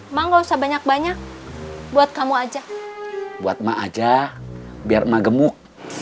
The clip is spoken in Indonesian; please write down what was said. emang usah banyak banyak buat kamu aja buat ma aja biar ma gemuk